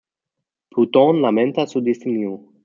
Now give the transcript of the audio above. Plutón lamenta su destino.